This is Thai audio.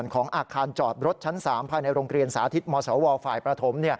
ของอาคารจอดรถชั้น๓ภายในโรงเรียนสาธิตมศวฝ่ายประถม